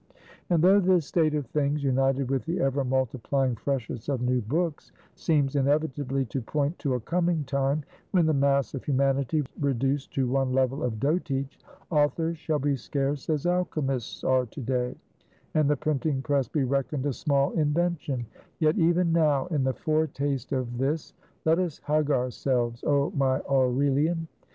And though this state of things, united with the ever multiplying freshets of new books, seems inevitably to point to a coming time, when the mass of humanity reduced to one level of dotage, authors shall be scarce as alchymists are to day, and the printing press be reckoned a small invention: yet even now, in the foretaste of this let us hug ourselves, oh, my Aurelian!